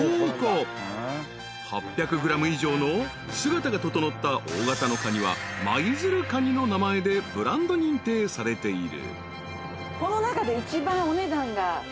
［８００ｇ以上の姿が整った大型のカニは舞鶴かにの名前でブランド認定されている］